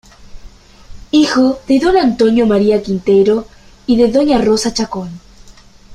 Hijo de Don Antonio María Quintero y de Doña Rosa Chacón.